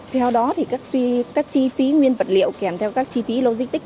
theo đó các chi phí nguyên vật liệu kèm theo các chi phí logistic